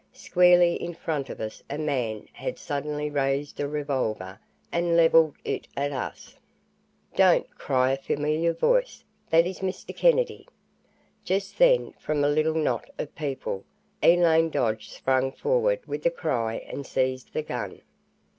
Squarely in front of us a man had suddenly raised a revolver and leveled it at us. "Don't!" cried a familiar voice. "That is Mr. Kennedy!" Just then, from a little knot of people, Elaine Dodge sprang forward with a cry and seized the gun.